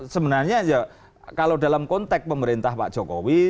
sebenarnya ya kalau dalam konteks pemerintah pak jokowi